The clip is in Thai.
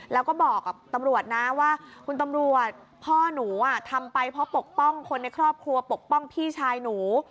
แล้วก็บอกกับตำรวจนะว่าคุณตำรวจพ่อหนูทำไปเพราะปกป้องคนในครอบครัวปกป้องพี่ชายหนู